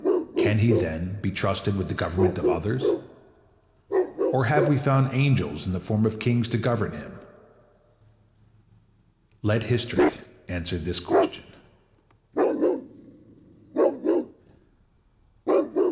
Can he, then, be trusted with the government of others? Or have we found angels in the forms of kings to govern him? Let history answer this question.